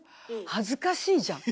恥ずかしいじゃん。